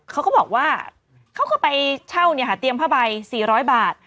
เขาก็บอกว่าเขาก็ไปเช่าเตียงผ้าใบ๔๐๐บาท